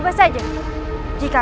aku akan mencari kebaikanmu